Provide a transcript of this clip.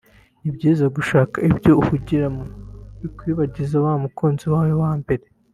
ni byiza gushaka ibyo uhugiramo bikwibagiza wa mukunzi wawe wa mbere